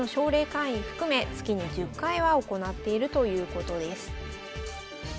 会員含め月に１０回は行っているということです。